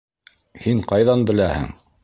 Һин ҡайҙан беләһең?